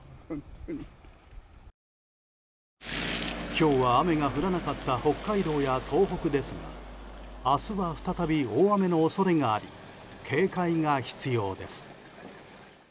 今日は雨が降らなかった北海道や東北ですが明日は再び大雨の恐れがあり警戒が必要です。